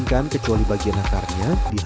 parah banget nih